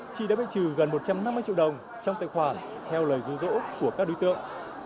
chi đã bị trừ gần một trăm năm mươi triệu đồng trong tài khoản theo lời rũ rỗ của các đối tượng